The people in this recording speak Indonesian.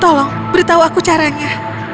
tolong beritahu aku caranya